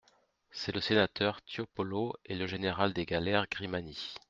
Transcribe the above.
C’est le sénateur Tiopolo et le général des galères Grimani.